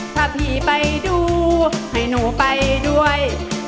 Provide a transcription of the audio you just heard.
ถ้าพี่ไปดูให้หนูไปด้วย